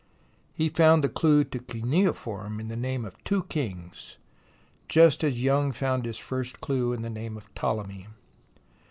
He found the clue to cuneiform in the name of two kings, just as Young found his first clue in the name of Ptolemy.